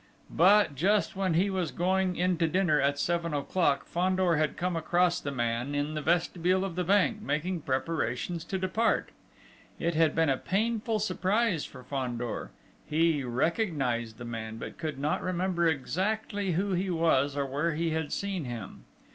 But, just when he was going in to dinner at seven o'clock, Fandor had come across the man in the vestibule of the bank making preparations to depart. It had been a painful surprise for Fandor. He recognised the man, but could not remember exactly who he was, or where he had seen him....